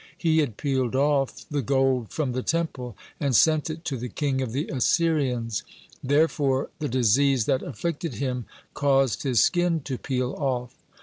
He had "peeled off" the gold from the Temple, and sent it to the king of the Assyrians; therefore the disease that afflicted him caused his skin to "peel off."